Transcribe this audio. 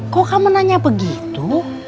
kok kamu nanya begitu